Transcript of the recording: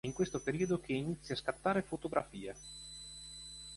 È in questo periodo che inizia a scattare fotografie.